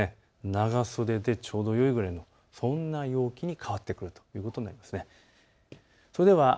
長袖でちょうどよいぐらいのそんな陽気に変わってくるということになります。